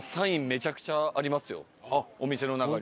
お店の中に。